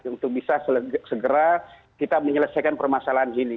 untuk bisa segera kita menyelesaikan permasalahan ini